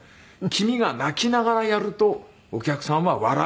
「君が泣きながらやるとお客さんは笑うんだ」って。